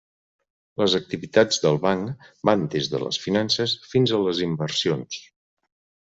Les activitats del banc van des de les finances fins a les inversions.